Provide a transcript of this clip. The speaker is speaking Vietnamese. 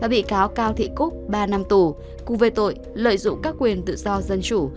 bị cáo cao thị cúc ba năm tù cùng về tội lợi dụng các quyền tự do dân chủ